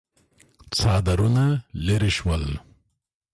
څادرونه ليرې شول.